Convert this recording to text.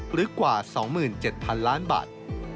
หรือกว่า๒๗๐๐๐ล้านบาท